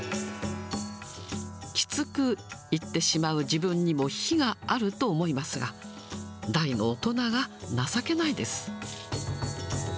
きつく言ってしまう自分にも非があると思いますが、大の大人が情けないです。